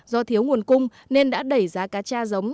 do thiếu nguồn cung nên đã đẩy giá cá cha giống